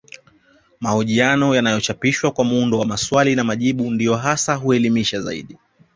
Mahojiano yanayochapishwa kwa muundo wa maswali na majibu ndiyo hasa huelimisha zaidi